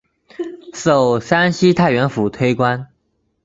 授山西太原府推官。